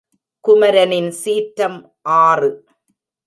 குமரனின் சீற்றம் ஆறு.